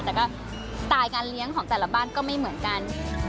แต่ก็สไตล์การเลี้ยงของแต่ละบ้านก็ไม่เหมือนกัน